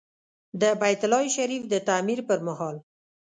د بیت الله شریف د تعمیر پر مهال.